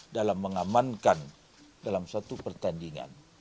dalam mengamankan dalam satu pertandingan